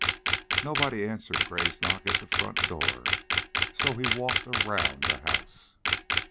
Nobody answered Gray's knock at the front door, so he walked around the house.